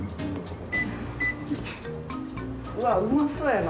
うわうまそうやな。